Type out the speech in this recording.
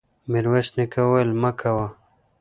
ميرويس نيکه وويل: مه کوه!